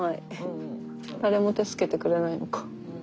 誰も助けてくれないのか。